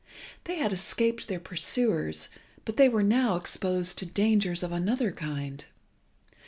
They had escaped their pursuers, but they were now exposed to dangers of another kind.